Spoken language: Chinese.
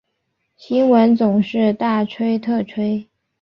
新闻总是大吹特吹